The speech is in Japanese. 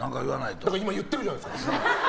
だから今言っているじゃないですか。